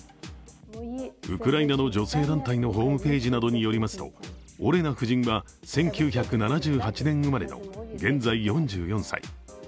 ウクライナの女性団体のホームページなどによりますとオレナ夫人は１９７８年生まれの現在４４歳。